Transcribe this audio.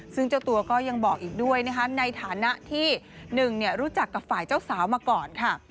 ซึ่งเจ้าตัวก็ยังบอกอีกด้วยนะคะในฐานะที่หนึ่งรู้จักกับฝ่ายเจ้าสาวมาก่อนค่ะ